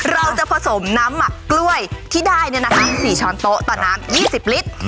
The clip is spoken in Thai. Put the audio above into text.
เราจะผสมน้ำหมักกล้วยที่ได้๔ช้อนโต๊ะต่อน้ำ๒๐ลิตร